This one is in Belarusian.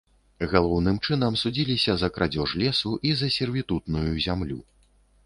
Галоўным чынам, судзіліся за крадзеж лесу і за сервітутную зямлю.